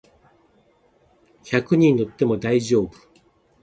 百人乗っても大丈夫